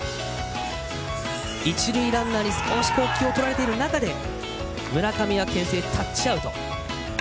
一塁ランナーに気を取られている中で村上はけん制タッチアウト。